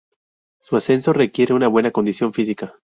Su ascenso requiere de una buena condición física.